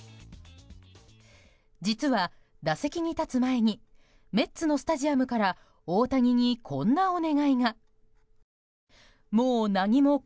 実は打席に立つ前にメッツのスタジアムから大谷にこんなお願いが。